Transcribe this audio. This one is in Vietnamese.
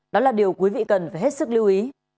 đó là điều quý vị cần phải hết sức lưu ý